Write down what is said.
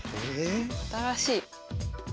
新しい。